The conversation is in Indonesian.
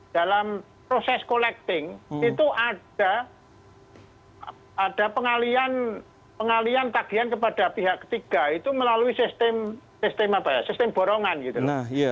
dalam proses collecting itu ada pengalian tagihan kepada pihak ketiga itu melalui sistem apa ya sistem borongan gitu loh